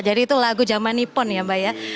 jadi itu lagu jaman nipon ya mbak ya